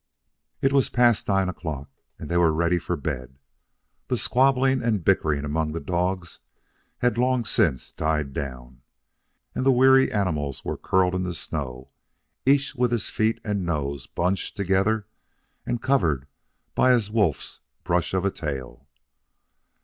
It was past nine o'clock, and they were ready for bed. The squabbling and bickering among the dogs had long since died down, and the weary animals were curled in the snow, each with his feet and nose bunched together and covered by his wolf's brush of a tail.